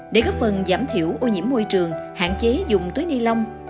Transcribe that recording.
để góp phần giảm thiểu ô nhiễm môi trường hạn chế dùng túi ni lông